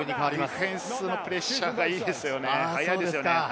ディフェンスのプレッシャーが早いですよね。